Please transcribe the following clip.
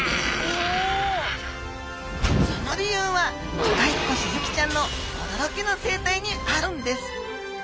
その理由は都会っ子スズキちゃんの驚きの生態にあるんです！